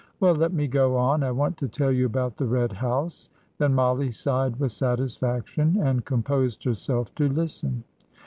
Well, let me go on. I want to tell you about the Red House." Then Mollie sighed with satisfaction, and composed herself to listen.